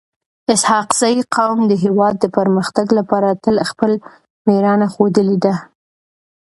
اسحق زي قوم د هیواد د پرمختګ لپاره تل خپل میړانه ښودلي ده.